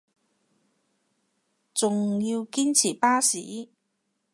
仲要堅持巴士